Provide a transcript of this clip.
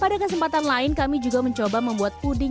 pada kesempatan lain kami juga mencoba membuat puding